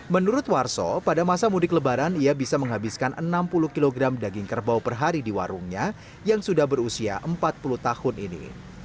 menurut warso pada masa mudik lebaran ia bisa menghabiskan enam puluh kg daging kerbau per hari di warungnya yang sudah berusia empat puluh tahun ini